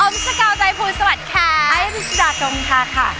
อมชะกาวใจภูนิสวัสดีค่ะ